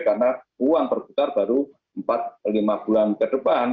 karena uang terputar baru empat lima bulan ke depan